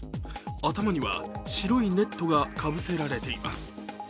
頭には白いネットがかぶせられています。